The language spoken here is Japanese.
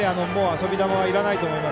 遊び球はいらないと思います。